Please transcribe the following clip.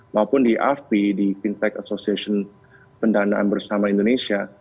maupun di afp di fintech association pendanaan bersama indonesia